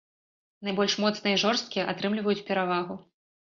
Найбольш моцныя і жорсткія атрымліваюць перавагу.